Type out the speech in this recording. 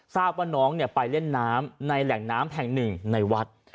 ทราบว่าน้องไปเล่นน้ำในแหล่งน้ำแห่งหนึ่งในวัด